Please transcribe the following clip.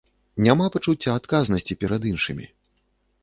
Няма пачуцця адказнасці перад іншымі.